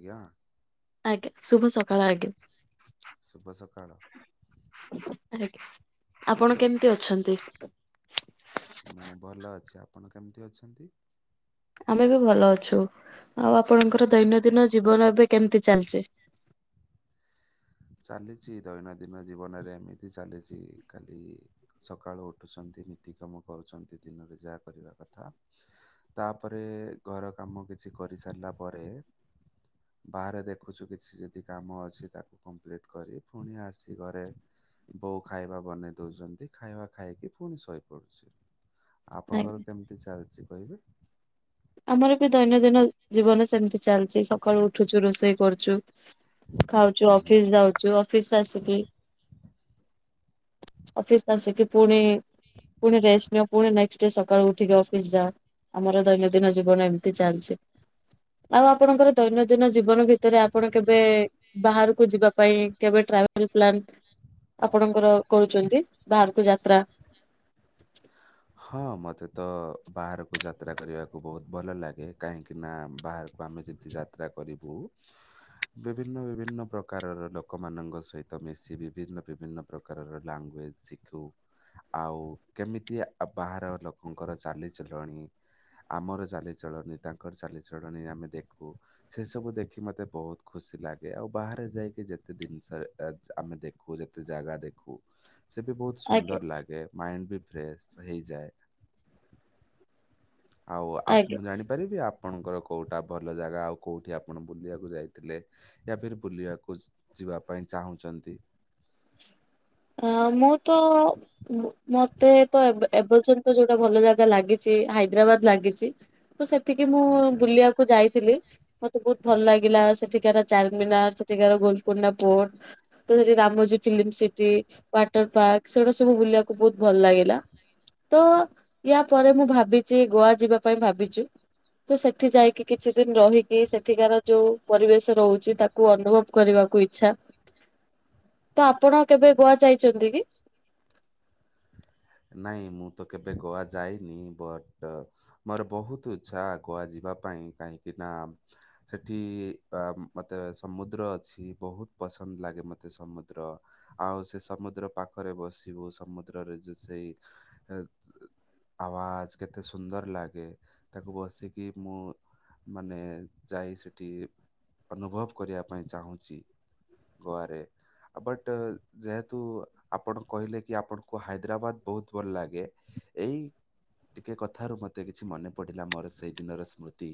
ଆଜ୍ଞା। ଆଜ୍ଞା ଶୁଭ ସକାଳ ଆଜ୍ଞା। ଶୁଭ ସକାଳ। ଆଜ୍ଞା ଆପଣ କେମିତି ଅଛନ୍ତି? ମୁଁ ଭଲ ଅଛି ଆପଣ କେମିତି ଅଛନ୍ତି? ଆମେ ବି ଭଲ ଅଛୁ ଆଉ ଆପଣଙ୍କର ଦୈନନ୍ଦିନ ଜୀବନ ଏବେ କେମିତି ଚାଲିଛି? ଚାଲିଛି ଦୈନନ୍ଦିନ ଜୀବନରେ ଏମିତି ଚାଲିଛି ଖାଲି ସକାଳୁ ଉଠୁଛନ୍ତି ନୀତି କାମ କରୁଛନ୍ତି ଦିନରେ ଯାହା କରିବା କଥା। ତାପରେ ଘର କାମ କିଛି କରି ସାରିଲା ପରେ ବାହାରେ ଦେଖୁଛୁ କିଛି ଯଦି କାମ ଅଛି ତାକୁ କମ୍ପ୍ଲିଟ୍ କରି ପୁଣି ଆସି ଘରେ ବୋଉ ଖାଇବା ବନେଇ ଦଉଛନ୍ତି ଖାଇବା ଖାଇକି ପୁଣି ଶୋଇପଡୁଛି। ଆଜ୍ଞା, ଆପଣଙ୍କର କେମିତି ଚାଲଛି କହିବେ? ଆମରବି ଦୈନଦିନ ଜୀବନ ସେମିତି ଚାଲିଚି ସକାଳୁ ଉଠୁଛୁ ରୋଷେଇ କରୁଛୁ ଖାଉଛୁ ହୁଁ ହୁଁ। ଅଫିସ୍ ଯାଉଛୁ ଅଫିସ୍ ଆସି କି ଅଫିସ୍ ଆସିକି ପୁଣି ପୁଣି ରେଷ୍ଟନିଅ ପୁଣି ନେକ୍ସଡେ ସକାଳୁ ଉଠିକି ଅଫିସ୍ ପୁଣି ଯା ଆମର ଦୈନ ଦିନଜୀବନ ଏମିତି ଚାଲିଚି ଆଉ ଆପଣଙ୍କର ଦୈନ ଦିନ ଜୀବନ ଭିତରେ ଆପଣ କେବେ ବାହାରକୁ ଯିବା ପାଇଁ କେବେ ଟ୍ରାଭେଲ୍ ପ୍ରିପ୍ଲାନ ଆପଣଙ୍କର କରୁଚନ୍ତି, ବାହାରୁକୁ ଯାତ୍ରା। ହଁ। ମତେ ତ ବାହାରୁକୁ ଯାତ୍ରା କରିବାକୁ ବହୁତ ଭଲ ଲାଗେ, କାହିଁକି ନା ବାହାରକୁ ଆମେ ଯେତ୍ ଯାତ୍ରା କରିବୁ ବିଭିନ୍ନ ବିଭିନ୍ନ ପ୍ରକାରର ଲୋକମାନଙ୍କ ସହିତ ମିଶିବି ବିଭିନ୍ନ ବିଭିନ୍ନ ପ୍ରକ୍ ପ୍ରକାରର ଲାଙ୍ଗୁଏଜ୍ ଶିଖୁ, ଆଉ କେମିତିଆ ଆଉ ବାହାର ଲୋକୋଙ୍କର ଚାଲିଚଲନି ଆମର ଚାଲିଚଳଣି ତାଙ୍କର ଚାଲିଚଳଣି ଆମେ ଦେଖୁ। ସେ ସବୁ ଦେଖି ମତେ ବୋହୁତ୍ ଖୁସି ଲାଗେ ଆଉ ବାହାରେ ଯାଇକି ଯେତେ ଦିନ୍ସ ରେ ଏତ୍ ଆମେ ଦେଖୁ ଯେତେ ଜାଗା ଦେଖୁ। ସେ ବି ବହୁତ୍ ଆଜ୍ଞା ସୁନ୍ଦର୍ ଲାଗେ ମାଇଣ୍ଡ ବି ଫ୍ରେଶ୍ ହେଇଯାଏ। ଆଉ ଆପ୍ ଆଜ୍ଞା ମୁଁ ଜାଣିପାରିବି ଆପ୍ ପଣଙ୍କର କୋଉଟା ଭଲ ଜାଗା ଆଉ କୋଉଠି ଆପଣ ବୁଲିବାକୁ ଯାଇଥିଲେ? ୟା ଫିର ବୁଲିବାକୁ ଯିବାପାଇଁ ଚାହୁଁଚନ୍ତି? ଅ ମୁଁ ତ ମୁ ମତେ ତ ଏବେ ଏବର୍ଯ୍ୟନ୍ତ। ତ ଯୋଉଟା ଭଲ ଜାଗା ଲାଗିଛି ହାଇଦ୍ରାବାଦ ଲାଗିଛି ତ ସେଠିକି ମୁଁ ଆଜ୍ଞା। ବୁଲିବା କୁ ଯାଇଥିଲି। ମତେ ବହୁତ ଭଲ ଲାଗିଲା ସେଠିକାର ଚାରମିନାର ସେଠିକାର ଗୋଲକୋଣ୍ଡା ପୋର୍ଟ। ଦୁଇ ରେ Ramoji film city water park ସେଗୁଡା ସବୁ ବୁଲିବା କୁ ବହୁତ୍ ଭଲ ଲାଗିଲା ତ। ୟା ପରେ ମୁଁ ଭାବିଚି ଗୋଆ ଯିବା ପାଇଁ ଭାବିଚି ତ ସେଠି ଯାଇ କି କିଛି ଦିନ ରହିକି ସେଠିକାର ଯୋଉ। ପରିବେଶ ରହୁଛି ତାକୁ ଅନୁଭବ କରିବାକୁ ଇଛା ତ ଆପଣ କେବେ। ଗୋଆ ଯାଇଛନ୍ତି କି? ନାଇଁ ମୁଁ ତ କେବେ ଗୋଆ ଯାଇନି ବଟ। ମୋର ବହୁତୁ ଇଛା ଗୋଆ ଯିବା ପାଇଁ କାହିଁକି ନା। ସେଠି ଆ ମତେ ସମୁଦ୍ର ଅଛି ବହୁତ୍ ପସନ୍ଦ୍ ଲାଗେ ମତେ ସମୁଦ୍ର। ଆଉ ସେ ସମୁଦ୍ର ପାଖରେ ବସିବୁ ସମୁଦ୍ରରେ ଯୋ ସେଇ ଏ ଆବାଜ୍ କେତେ ସୁନ୍ଦର ଲାଗେ ତାକୁ ବସିକି ମୁଁ। ମାନେ ଯାଇ ସେଠି ଅନୁଭବ କରିବା ପାଇଁ ଚାହୁଁଚି। ଗୋଆ ରେ ଆ ବଟ ଯେହେତୁ। ଆପଣ କହିଲେ କି ଆପଣଙ୍କୁ ହାଇଦ୍ରାବାଦ ବହୁତ୍ ଭଲ ଲାଗେ ଏଇ। ଟିକେ କଥାରୁ ମତେ କିଛି ମନେ ପଡିଲା ମୋର ସେଇ ଦିନର ସ୍ମୃତି।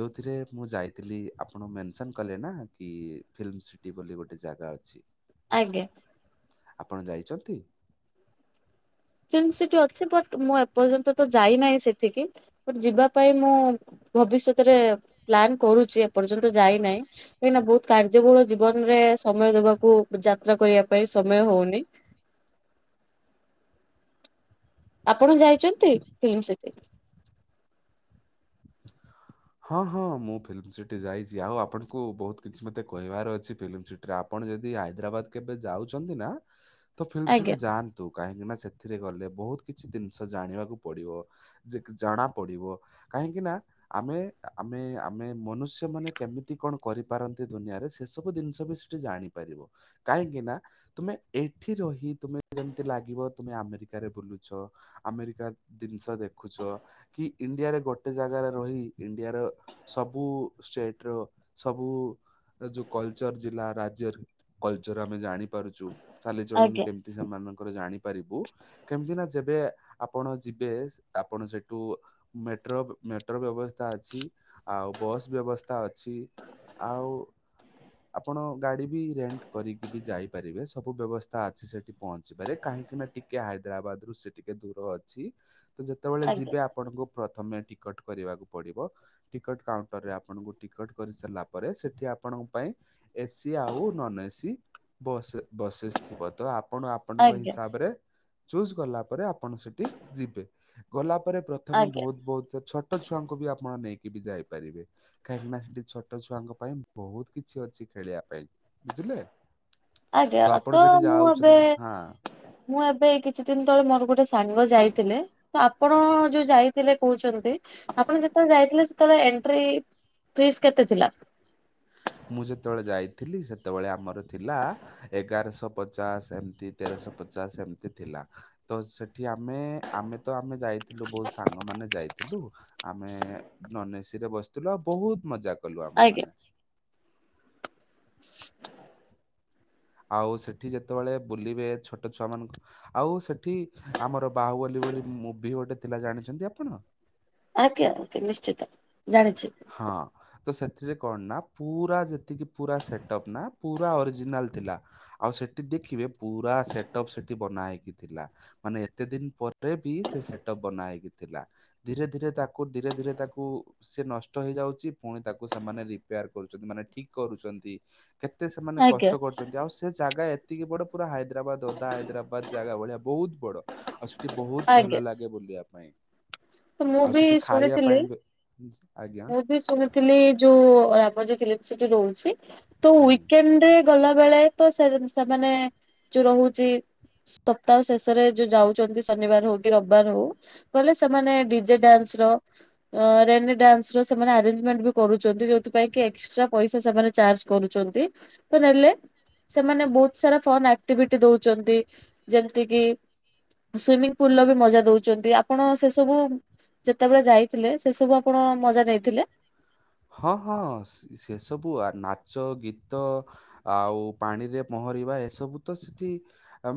ଯୋଉଥିରେ ମୁଁ ଯାଇଥିଲି ଆପଣ ମେନସନ୍ କଲେ ନା କି ଫିଲ୍ମ ସି ଟି ବୋଲି ଗୋଟେ ଜାଗା ଅଛି। ଆଜ୍ଞା। ଆପଣ ଯାଇଚନ୍ତି? ଫିଲ୍ମ ସିଟି ଅଛି ବଟ୍ ମୁଁ ଏପର୍ଯ୍ୟନ୍ତ ତ ଯାଇନାହିଁ ସେଠିକି। ବଟ୍ ଯିବାପାଇଁ ମୁଁ ଭବିଷ୍ୟତରେ ପ୍ଲାନ୍ କରୁଚି। ଏ ପର୍ଯ୍ୟନ୍ତ ଯାଇନାଇଁ କାଇଁନା ବହୁତ୍। କାର୍ଯ୍ୟବୋହୁଳ ଜୀବନରେ ସମୟ ଦେବାକୁ ଯାତ୍ରା କରିବା ପାଇଁ ସମୟ ହୋଉନି। ଆପଣ ଯାଇଚନ୍ତି ଫିଲ୍ମ ସିଟି? ହଁ ହଁ ମୁଁ ଫିଲ୍ମ ସିଟି ଯାଇଚି ଆଉ ଆପଣଙ୍କୁ ବହୁତ କିଛି ମତେ କହିବାର ଅଛି ଫିଲ୍ମ ସି ଟିରେ ଆପଣ ଯଦି ହାଇଦ୍ରାବାଦ କେବେ ଯାଉଛନ୍ତି ନାଁ ତ ଫିଲ୍ମ ଆଜ୍ଞା ସିଟି ଯାଆନ୍ ତୁ କାହିଁକି ନାଁ ସେଥିରେ ଗଲେ ବହୁତ୍ କିଛି ଦିନ୍ଷ ଜାଣିବାକୁ ପଡିବ। ଯେକି ଜଣା ପଡିବ କାହିଁକି ନାଁ ଆମେ। ଆମେ ଆମେ ମନୁଷ୍ୟମାନେ କେମିତି କଣ କରିପାରନ୍ତି ଦୁନିଆରେ ସେ ସବୁ ଦିନ୍ଷ ବି ସେଠି ଜାଣିପାରିବ। କାହିଁକିନା। ତୁମେ ଏଇଠି ରହି ତୁମେ ଯେମ୍ତି ଲାଗିବ ତୁମେ ଆମେରିକାରେ ବୁଲୁଛ। ଆମେରିକା ଦିନ୍ଷ ଦେଖୁଛ କି ଇଣ୍ଡିଆରେ ଗୋଟେ ଜାଗାରେ ରହି। ଇଣ୍ଡିଆର ସବୁ ଷ୍ଟେଟ୍ ର ସବୁ। ଏ ଯୋଉ କଲଚର୍ ଜିଲ୍ଳା ରାଜ୍ୟରେ କଲଚର୍ ଆମେ ଜାଣିପାରୁଚୁ ଚାଲିଚଳନି ଆଜ୍ଞା କେମ୍ ତୁ ସେମାନଙ୍କର ଜାଣି ପାରିବୁ। କେମିତି ନା ଯେବେ ଆପଣ ଯିବେ। ଆପଣ ସେଠୁ ମେଟ୍ରୋ ବ ମେଟ୍ରୋ ବ୍ୟବସ୍ ସ୍ଥା ଅଛି। ଆଉ ବସ୍ ବ୍ୟବସ୍ଥା ଅଛି। ଆଉ ଆପଣ ଗାଡ଼ି ବି ରେଣ୍ଟ କରିକି ବି ଯାଇପାରିବେ ସବୁ ବ୍ୟବସ୍ଥା ଅଛି ସେଠି। ପହଞ୍ଚିିବାରେ କାହିଁକି ନାଁ ଟିକେ ହାଇଦ୍ରାବାଦ୍ ରୁ ସେ ଟିକେ ଦୂର ଅଛି। ତ ଯେତବଳେ ଆଜ୍ଞା ଯିବେ, ଆପଣଙ୍କୁ ପ୍ରଥମେ ଟିକଟ୍ କରିବାକୁ ପଡିବ। ଟିକଟ୍ କାଉଣ୍ଟରରେ ଆପଣଙ୍କୁ ଟିକଟ କରିସାରିଲା ପରେ ସେଠି ଆପଣଙ୍କ ପାଇଁ ଏସିି ଆଉ ନନ୍ ଏସି ବସ୍, ବସେସ୍ ଥିବ ତ ଆପଣ ଆ ଆପଣଙ୍କ ଆଜ୍ଞା ହିସାବରେ ଚୁଜ୍ କଲା ପରେ ଆପଣ ସେଠି ଯିବେ। ଗଲା ପରେ ପ୍ର ପ୍ରଥମେ ଆଜ୍ଞା ବହୁତ୍ ବହୁତ୍ ସେ ଛୋଟ ଛୁଆଙ୍କୁ ବି ଆପଣ ନେଇକି ବି ଯାଇପାରିବେ। କାହିଁକି ନାଁ ସେଠି ଛୋଟ ଛୁଆଙ୍କ ପାଇଁ ବହୁତ କିଛି ଅଛି ଖେଳିବା ପାଇଁ, ବୁଝିଲେ? ଆଜ୍ଞା। ଆପଣ ତ ସେଠି ମୁଁ ଏବେ ଯାଉଛନ୍ତି ହଁ ମୁଁ ଏବେ କିଛି ଦିନି ତଳେ ମୋର ଗୋଟେ ସାଙ୍ଗ ଯାଇଥିଲେ। ତ ଆପଣ ଯୋଉ ଯାଇ ଥିଲେ କହୁଚନ୍ତି। ଆପଣ ଯେତବଳେ ଯାଇଥିଲେ ସେତବଳେ ଏଣ୍ଟ୍ରି ଫିସ୍ କେତେ ଥିଲା? ମୁଁ ଯେତବଳେ ଯାଇଥିଲି ସେତେବେଳେ ଆମର ଥିଲା ଏଗାର ଶହ ପଚାଶ ଏମ୍ତି ତେର ଶହ ପଚାଶ ଏମ୍ତି ଥିଲା। ତ ସେଠି ଆମେ ଆମେ ତ ଆମେ ଯାଇଥିଲୁ ବହୁତ୍ ସାଙ୍ଗମାନେ ଯାଇ ଥିଲୁ। ଆମେ ନନ୍ ଏସିିରେ ବସିଥିଲୁ। ଆଉ ବହୁତ୍ ମଜା କଲୁ ଆମେ ଆଜ୍ଞା। ମାନେ। ଆଉ ସେଠି ଯେତବଳେ ବୁଲିବେ ଛୋଟ ଛୁଆମାନଙ୍କୁ ଆଉ ସେଠି ଆମର ବାହୁବଲି ବୋଲି ମୁଭି ଗୋଟେ ଥିଲା ଜାଣିଛନ୍ତି ଆପଣ। ଆଜ୍ଞା ଆଜ୍ଞା। ନିଶ୍ଚିତ ଜାଣିଛି। ହଁ। ତ ସେଥିରେ କଣ ନାଁ ପୁରା ଯେତିକି ପୁରା ସେଟପ୍ ନାଁ ପୁରା ଅରିଜିନାଲ୍ ଥିଲା। ଆଉ ସେଠି ଦେଖିବେ ପୁରା ସେଟପ୍ ସେଠି ବନା ହେଇକି ଥିଲା। ମାନେ ଏତେ ଦିନ୍ ପରେ ବି ସେ ସେଟପ୍ ବନା ହେଇକି ଥିଲା। ଧିରେ ଧିରେ ତାକୁ ଧିରେ ଧିରେ ତାକୁ ସେ ନଷ୍ ଟ ହେଇଯାଉଚି ପୁଣି ତାକୁ ସେମାନେ ରିପେୟାର କରୁଚନ୍ତି ମାନେ ଠିକ୍ କରୁଚନ୍ତି। କେତେ ସେମାନେ ଆଜ୍ଞା କଷ୍ଟ କରୁଚନ୍ତି। ଆଉ ସେ ଜାଗା ଏତିକି ବଡ ପୁରା ହାଇଦ୍ରାବାଦ୍ ଓଦା ହାଇଦ୍ରାବାଦ୍। ଜାଗା ଭଳିଆ ବହୁତ୍ ବଡ। ଆଉ ସିଠି ବହୁତ୍ ଆଜ୍ଞା ଭଲ ଲାଗେ ବୁଲିବା ପାଇଁ। ତ ମୁଁ ଆଉ ବି ସେଠି ଖାଇବା ଶୁଣିଥିଲି। ପାଇଁ ବି ଆଜ୍ଞା। ମୁଁ ବି ଶୁଣିଥିଲି ଯୋଉ ରାବାଜ୍ ଫିଲ୍ମ ସିଟି ରହୁଛି ତୋ ହୁଁ। ୱିକ୍ଏଣ୍ଡ୍ ରେ ଗଲା ବେଳେ ତ ସେରେମ୍ ସେମାନେ ଯୋଉ ରହୁଚି ସ୍ଥପ୍ତାହ ଶେଷରେ ଯୋଉ ଯାଉଚନ୍ତି ଶନିବାର ହଉ କି ରବିବାର ହଉ, ଗଲେ ସେମାନେ ଡିଜେ ଡ୍ୟାନ୍ସ୍ ର ଅଁ ରେନି ଡ୍ୟାନ୍ସର ସେମାନେ ଆରେଞ୍ଜମେଣ୍ଟ ବି କରୁଚନ୍ତି ଯୋଉଥିପାଇଁ କି ଏକ୍ସ୍ ଷ୍ଟ୍ରା ପଇସା ସେମାନେ ଚାର୍ଜ କରୁଚନ୍ତି ତ ନେଲେ ସେମାନେ ବହୁତ୍ ସାରା ଫନ୍ ଆକ୍ ଟିଭିଟି ଦଉଚନ୍ତି। ଯେମ୍ତି କିି ସୁଇମିଂ ପୁଲ୍ ର ବି ମଜା ଦଉଚନ୍ତି। ଆପଣ ସେ ସବୁ ଯେତବଳେ ଯାଇଥିଲେ ସେ ସବୁ ଆପଣ ମଜା ନେଇଥିଲେ। ହଁ ହଁ ସି ସେ ସବୁ ଆ ନାଚ ଗୀତ ଆଉ ପାଣିରେ ପହଁରିବା ଏସବୁ ତ ସିଠି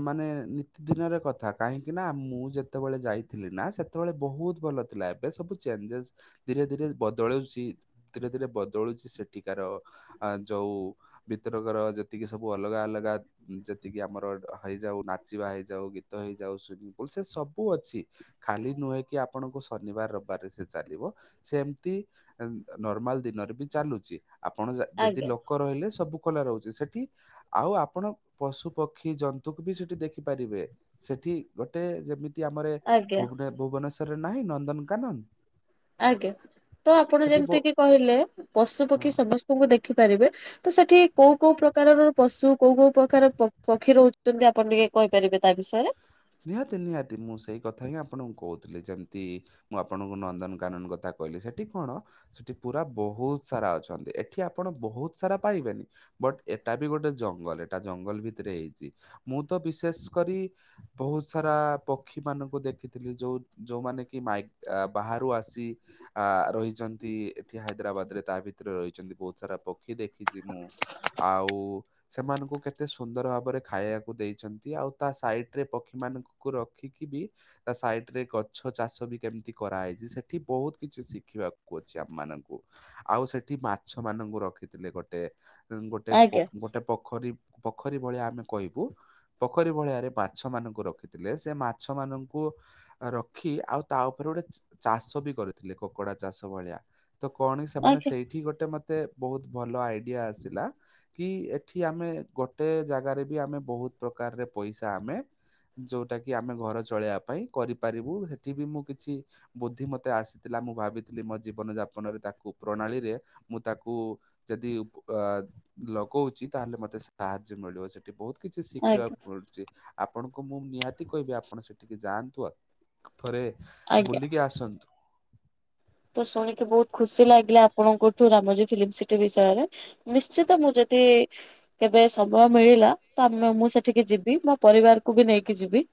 ମାନେ ନିତି ଦିନରେ କଥା କାହିଁକି ନା ମୁଁ ଯେତେବେଳେ ଯାଇଥିଲି ନା ସେ ସେତବେଳେ ବହୁତ ଭଲ ଥିଲା। ଏବେ ସବୁ ଚେଞ୍ଜେସ୍ ଧିରେ ଧିରେ ବଦଳୁଛି। ଧିରେ ଧିରେ ବଦଳୁଛି ସେଠିକାର ଆ ଯୋଉ ଭିତରକର ଯେତିକି ସବୁ ଅଲଗା ଅଲଗା। ଯେତିକି ଆମର ହେଇଯାଉ, ନାଚିବା ହେଇଯାଉ, ଗୀତ ହେଇଯାଉ, ସୁଇମିଙ୍ଗ ପୁଲ, ସେ ସବୁ ଅଛି। ଖାଲି ନୁହେଁ କିି ଆପଣଙ୍କୁ ଶନିବାର ରବିବାରରେ ସେ ଚାଲିବ, ସେମତି ଉମ ନର୍ମାଲ୍ ଦିନରେ ବି ଚାଲୁଛି। ଆପଣ ଯା ଯଦି, ଆଜ୍ଞା ଲୋକ ରହିଲେ ସବୁ କଲା ରହୁଛି, ସେଠି। ଆଉ ଆପଣ, ପଶୁ, ପକ୍ଷୀ, ଜନ୍ତୁ କୁ ବି ସେଠି ଦେଖିପାରିବେ। ସେଠି, ଗୋଟେ ଯେମିତି ଆମର ଏ ଆଜ୍ଞା। ଭୁବ୍ନେ ଭୁବନେଶ୍ଵରରେ ନାହିଁ ନନ୍ଦନକାନନ। ଆଜ୍ଞା। ତ ଆପଣ ସେଠି ଯେମିତି ବ- କିି କହିଲେ, ପଶୁ, ପକ୍ଷୀ, ହଁ ସମସ୍ତଙ୍କୁ ଦେଖିପାରିବେ। ତ ସେଠି କୋଉ କୋଉ ପ୍ରକାରର ପଶୁ?? କୋଉ କୋଉ ପ୍ରକାର ପକ୍ଷୀ ରହୁଛନ୍ତି? ଆପଣ ଟିକେ କହିପାରିବେ, ତା ବିଷୟରେ। ନିହାତି, ନିହାତି ମୁଁ ସେଇ କଥା ହିଁ ଆପଣଙ୍କୁ କହୁଥିଲି ଯେମିତି। ମୁଁ ଆପଣଙ୍କୁ ନନ୍ଦନ୍ କାନନ କଥା କହିଲି, ସେଠି କଣ? ସେଠି ପୁରା ବହୁତ ସାରା ଅଛନ୍ତି। ଏଠି ଆପଣ ବହୁତ ସାରା ପାଇବେନି। ବଟ୍ ଏଟା ବି ଗୋଟେ ଜଙ୍ଗଲ୍, ଏଟା ଜଙ୍ଗଲ୍ ଭିତରେ ହେଇଛି। ମୁଁ ତ ବିଶେଷ କରି। ବହୁତ୍ ସାରା ଆ ପକ୍ଷୀ ମାନଙ୍କୁ ଦେଖିଥିଲି, ଯୋଉ ଯୋଉମାନେ କି ମାଇକ୍ ବାହାରୁ ଆସି ଆ ରହିଛନ୍ତି। ଏଠି ହାଇଦ୍ରାବାଦ ରେ ତା ଭିତରେ ରହିଛନ୍ତି ବହୁତ୍ ସାରା ପ ଖି ଦେଖିଛି ମୁଁ, ଆଉ ସେମାନଙ୍କୁ କେତେ ସୁନ୍ଦର ଭାବରେ ଖାଇବାକୁ ଦେଇଛନ୍ତି, ଆଉ ତା ସାଇଟ୍ ରେ ପକ୍ଷୀ ମାନ ନ୍କଙ୍କୁ ରଖିକି ବି ତା ସାଇଡ୍ ରେ ଗଛ ଚାଷ ବି କେମ୍ତି କରାହେଇଛି, ସେଠି ବହୁତ୍ କିଛି ଶିଖିବାକୁ ଅଛି, ଆମ ମାନଙ୍କୁ। ଆଉ ସେଠି ମାଛ ମାନଙ୍କୁ ରଖିଥିଲେ ଗୋଟେ ଗୋଟେ ପୋ ଆଜ୍ଞା ଗୋଟେ ପୋଖରୀ ପୋଖରୀ ଭଳିଆ ଆମେ କହିବୁ, ପୋଖରୀ ଭଳିଆରେ ପା ଛ ମାନଙ୍କୁ ରଖିଥିଲେ, ସେ ମାଛ ମାନଙ୍କୁ। ଅରଖି, ଆଉ ତା ଉପରେ ଗୋଟେ ଚାଷ ବି କରିଥିଲେ, କକୁଡା ଚାଷ ଭଳିଆ। ତ କଣ ସେମାନେ ଆଜ୍ଞା ସେଇଠି ଗୋଟେ ମତେ, ବହୁତ ଭଲ ଆଇଡିଆ ଆସିଲା। କି, ଏଠି ଆମେ ଗୋଟେ ଜାଗାରେ ବି ଆମେ ବହୁତ୍ ପ୍ରକାରରେ ପଇସା ଆମେ ଯୋଉଟା କି ଆମେ ଘର ଚଳେଇବା ପାଇଁ କରିପାରିବୁ। ସେଠି ବି ମୁଁ କିଛି ବୁଦ୍ଧି ମତେ ଆସିଥିଲା। ମୁଁ ଭାବିଥିଲି ମୋ ଜୀବନ ଯାପନରେ ତାକୁ, ପ୍ରଣାଳୀରେ ମୁଁ ତାକୁ ଯଦି ପ୍ ଅ ଲଗଉଛି, ତାହେଲେ ମତେ ସାହାଯ୍ୟ ମିଳିବ ସେଟ୍ ବହୁତ୍ କିଛି ଆଜ୍ଞା। ଶିଖିବାକୁ ମିଳୁଛି। ଆପଣଙ୍କୁ ମୁଁ ନିହାତି କହିବି, ଆପଣ ସେଠିକି ଯାଆନ୍ତୁ ଆ ଥରେ ଆଜ୍ଞା ବୁଲିକି ଆସନ୍ତୁ। ତ ଶୁଣିକି ବହୁତ୍ ଖୁସି ଲାଗିଲା, ଆପଣଙ୍କଠୁ ରାମଜୀ ଫିଲ୍ମ ସିଟି ବିଷୟରେ। ନିଶ୍ଚିତ, ମୁଁ ଯଦି କେବେ ସମୟ ମିଳିଲା, ତ ଆମେ ମୁଁ ସେଠିକି ଯିବି। ମୋ ପରିବାରକୁ ବି ନେଇକି ଯିବି।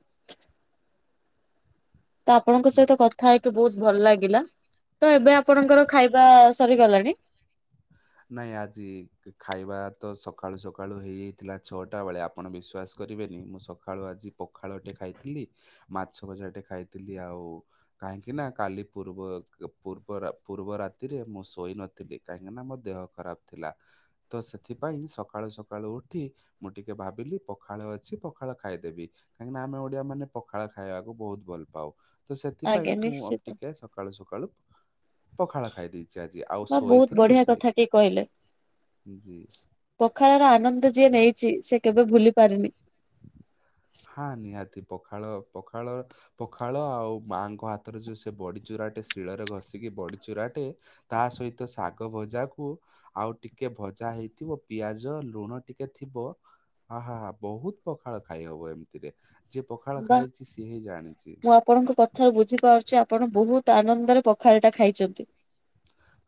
ତ ଆପଣଙ୍କ ସହିତ କଥା ହେଇକି, ବହୁତ୍ ଭଲ ଲାଗିଲା। ତ ଏବେ ଆପଣଙ୍କର ଖାଇବା, ସରିଗଲାଣି। ନାଇଁ ଆଜି, ଖାଇବା ତ ସକାଳୁ ସକାଳୁ ହେଇଯାଇଥିଲା ଛଅଟା ବେଳେ। ଆପ୍ ପଣ ବିଶ୍ୱାସ କରିବେନି, ମୁଁ ସକାଳୁ ଆଜି ପଖାଳଟି ଖାଇଥିଲି। ମାଛ ଭଜାଟେ ଖାଇଥିଲି, ଆଉ। କାହିଁକି ନା କାଲି ପୂର୍ବ ପୂବର୍ ପୂର୍ବ ରାତିରେ ମୁଁ ଶୋଇ ନଥିଲି, କାହିଁକି ନା ମତ୍ ଦେହ ଖରାପ ଥିଲା, ତ ସେଥିପାଇଁ ସକାଳୁ ସକାଳୁ ଉଠି। ମୁଁ ଟିକେ ଭାବିଲି ପଖାଳ ଅଛି, ପଖାଳ ଖାଇଦେବି। କାହିଁକିନା, ଆମେ ଓଡିଆ ମାନେ ପଖାଳ ଖାଇବାକୁ, ବହୁତ୍ ଭଲ ପାଉ। ତ ସେଥିପାଇଁ, ଆଜ୍ଞା ମୁଁ ଅ ପ୍ ନିଶ୍ଚିତ ଟିକେ ସକାଳୁ ସକାଳୁ। ପଖାଳ ଖାଇ ଦେଇେଇଛି ଆଜି, ଆଉ ଶୋଇଥିଲି ଶୋଇ କିଏ କହିଲେ? ଜି। ପଖାଳ ର ଆନନ୍ଦ ଯିଏ ନେଇଚି, ସେ କେବେ ଭୁଲି ପାରିନି। ହାଁ, ନିହାତି ପଖାଳ ପଖାଳ ପଖାଳ ଆଉ ମାଆଙ୍କ ହାତରେ ଯୋଉ ସେ ବଡି ଚୁରାଟେ, ଶିଳରେ ଘଷିକି ବଡି ଚୁରାଟେ ତା ସହିତ ଶାଗ ଭଜାକୁ ଆଉ ଟିକେ ଭଜା ହେଇଥିବ। ପିଆଜ, ଲୁଣ ଟିକେ ଥିବ। ଆ, ହା, ହା ବହୁତ ପଖାଳ ଖାଇ ହବ। ଏମିତିରେ ଯିଏ ପଖାଳ ବା ଖାଇଚି ସିଏ ହିଁ ଜାଣିଚି। ମୁଁ ଆପଣଙ୍କ କଥାରୁ ବୁଝିପାରୁଚି। ଆପଣ ବହୁତ ଆନନ୍ଦରେ ପଖାଳ ଟା ଖାଇଚନ୍ତି।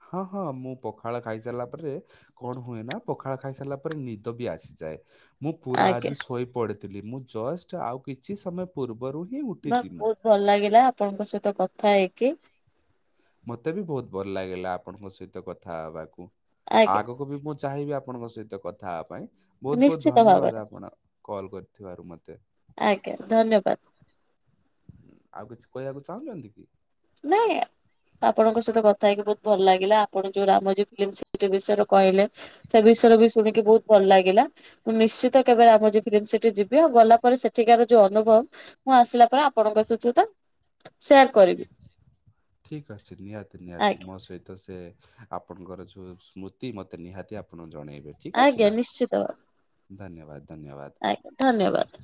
ହଁ, ହଁ ମୁଁ ପଖାଳ ଖାଇସାରିଲା ପରେ କଣ ହୁଏ ନା? ପଖାଳ ଖାଇ ସାରିଲା ପରେ ନିଦ ବି ଆସିଯାଏ। ମୁଁ ପୁରା ଆଜ୍ଞା ଆଜି ଶୋଇପଡ଼ିଥିଲି। ମୁଁ ଜଷ୍ଟ ଆଉ କିଛି ସମୟ ପୂର୍ବରୁ ହିଁ ବା ଉଠିଚି। ବହୁତ ଭଲ ଲାଗିଲା, ଆପଣଙ୍କ ସହିତ କଥା ହେଇକି। ମତେ ବି ବହୁତ ଭଲ ଲାଗିଲା ଆପଣଙ୍କ ସହିତ କଥା ହେବାକୁ। ଆଜ୍ଞା ଆଗ କୁ ବି ମୁଁ ଚାହିଁବି ଆପଣଙ୍କ ସହିତ କଥା ହେବା ପାଇଁ। ବହୁତ ବହୁତ ନିଶ୍ଚିତ ଭାବରେ ଧନ୍ୟବାଦ, ଆପଣ କଲ୍ କରିଥିବାରୁ ମତେ। ଆଜ୍ଞା, ଧନ୍ୟବାଦ। ଆଉ କିଛି କହିବାକୁ ଚାହୁଁଛନ୍ତି କି? ନାଇଁ। ଆପଣଙ୍କ ସହିତ କଥା ହେଇକି ବହୁତ ଭଲ ଲାଗିଲା। ଆପଣ ଯୋଉ ରାମୋଜି ଫିଲିମ ସିଟି ବିଷୟରେ କହିଲେ ସବୁ ବିଷୟରେ ବି ଶୁଣିକି ବହୁତ ଭଲ ଲାଗିଲା। ମୁଁ ନିଶ୍ଚିତ କେବେ ରାମୋଜି ଫିଲ୍ମ ସିଟି ଯିବି। ଆଉ ଗଲା ପରେ ସେଠିକାର ଯୋଉ ଅନୁଭବ ମୁଁ ଆସିଲା ପରେ ଆପଣଙ୍କ ଚୁଚତ ସେୟାର କରିବି। ଠିକ ଅଛି ନିହାତି ନିହାତି ଆଜ୍ଞା ମୋ ସହିତ ସେ ଆପଣଙ୍କର ଯୋଉ ସ୍ମୃତି ମତେ ନିହାତି ଆପଣ ଜଣେଇବେ ଠିକ ଅଛି, ଆଜ୍ଞା ନା? ନିଶ୍ଚିତ ଭାବେ ଧନ୍ୟବାଦ। ଧନ୍ୟବାଦ। ଆଜ୍ଞା, ଧନ୍ୟବାଦ।